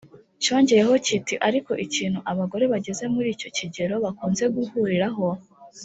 cyongeyeho kiti ariko ikintu abagore bageze muri icyo kigero bakunze guhuriraho